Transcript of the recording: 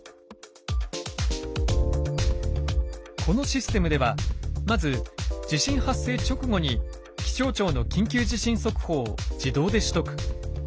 このシステムではまず地震発生直後に気象庁の緊急地震速報を自動で取得。